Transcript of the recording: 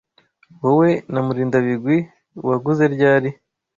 Wowe na Murindabigwi waguze ryari?